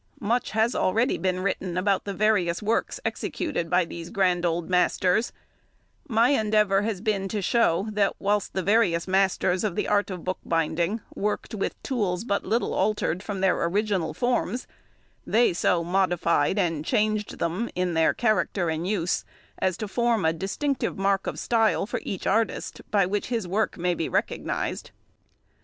Much has already been written about the various works executed by these grand old masters; my endeavour has been to show, that whilst the various masters of the art of bookbinding worked with tools but little altered from their original forms, they so modified and changed them in their character and use, as to form a distinctive mark of style for each artist, by which his work may be recognized.